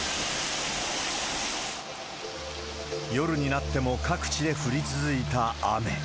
夜になっても各地で降り続いた雨。